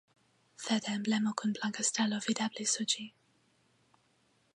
Verda emblemo kun blanka stelo videblas sur ĝi.